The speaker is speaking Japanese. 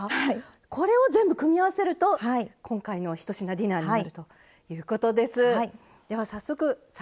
これを全部組み合わせると今回の１品ディナーになるということです。